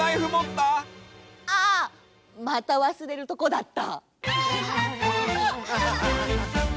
ああまたわすれるとこだった。